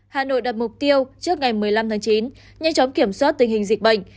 hà nội đặt mục tiêu trước ngày một mươi năm tháng chín nhanh chóng kiểm soát tình hình dịch bệnh